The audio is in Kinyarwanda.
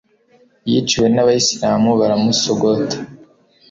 yiciwe n'abayisilamu baramusogota